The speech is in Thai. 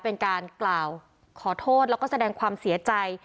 เป็นการกล่าวขอโทษแล้วก็แสดงความเสียใจ